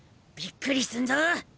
びっくりすんぞ。